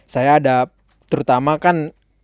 saya ada terutama kan